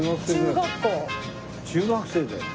中学生で？